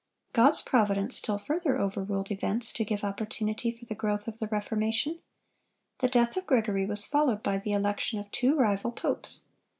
God's providence still further overruled events to give opportunity for the growth of the Reformation. The death of Gregory was followed by the election of two rival popes.